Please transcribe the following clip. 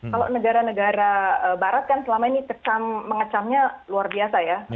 kalau negara negara barat kan selama ini mengecamnya luar biasa ya